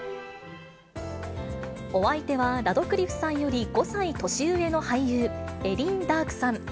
お相手は、ラドクリフさんより５歳年上の俳優、エリン・ダークさん。